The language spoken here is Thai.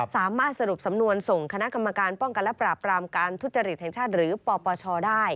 สามารถสรุปสำนวนส่งคณะกรรมการป้องกันและปราบรามการทุจริตแห่งชาติหรือปปชได้